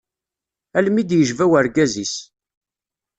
Almi i d-yejba urgaz-is.